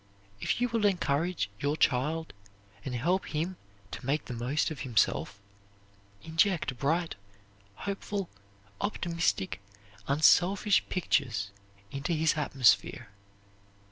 If you would encourage your child and help him to make the most of himself, inject bright, hopeful, optimistic, unselfish pictures into his atmosphere.